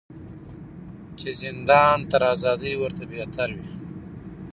چي زندان تر آزادۍ ورته بهتر وي